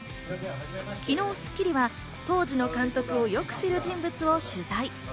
昨日『スッキリ』は当時の監督をよく知る人物を取材。